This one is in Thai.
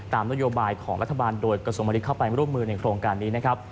ตามโดยโยบายของรัฐบาลโดยกสมศิษย์เข้าไปร่วมมือในโครงการนี้นะครับ